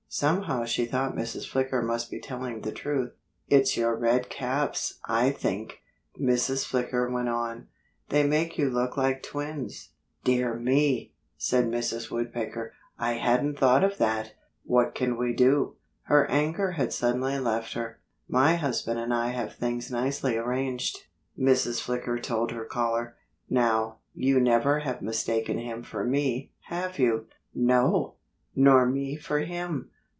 Somehow she thought Mrs. Flicker must be telling the truth. "It's your red caps, I think," Mrs. Flicker went on. "They make you look like twins." "Dear me!" said Mrs. Woodpecker. "I hadn't thought of that. What can we do?" Her anger had suddenly left her. "My husband and I have things nicely arranged," Mrs. Flicker told her caller. "Now, you never have mistaken him for me, have you?" "No!" "Nor me for him?"